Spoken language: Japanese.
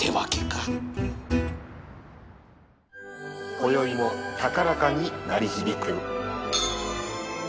こよいも高らかに鳴り響く。